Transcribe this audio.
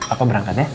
apa berangkat ya